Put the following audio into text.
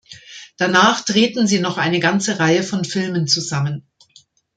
Danach drehten sie noch eine ganze Reihe von Filmen zusammen.